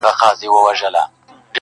خلاصه خوله کي دوه غاښونه ځلېدلي!